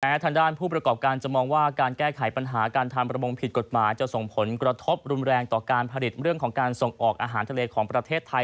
ทางด้านผู้ประกอบการจะมองว่าการแก้ไขปัญหาการทำประมงผิดกฎหมายจะส่งผลกระทบรุนแรงต่อการผลิตเรื่องของการส่งออกอาหารทะเลของประเทศไทย